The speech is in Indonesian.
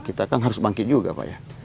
kita kan harus bangkit juga pak ya